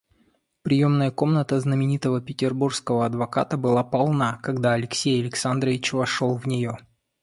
Приемная комната знаменитого петербургского адвоката была полна, когда Алексей Александрович вошел в нее.